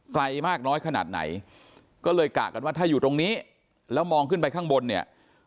ไกลมากน้อยขนาดไหนก็เลยกะกันว่าถ้าอยู่ตรงนี้แล้วมองขึ้นไปข้างบนเนี่ย